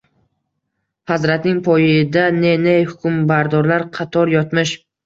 Hazratning poyida ne-ne hukmbardorlar qator yotmish.